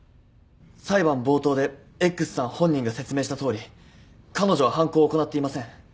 裁判冒頭でＸさん本人が説明したとおり彼女は犯行を行っていません。